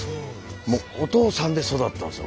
お父さんで育ったんですよ